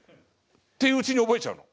っていううちに覚えちゃうの。